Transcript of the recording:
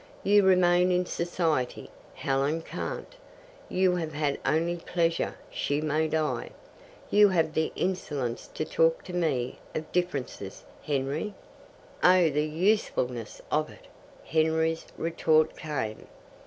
You remain in society, Helen can't. You have had only pleasure, she may die. You have the insolence to talk to me of differences, Henry?" Oh, the uselessness of it! Henry's retort came.